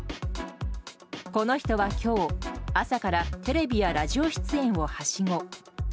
この人は今日、朝からテレビやラジオ出演をはしご。